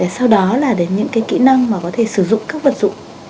sau đó là đến những kỹ năng mà có thể sử dụng các vật dụng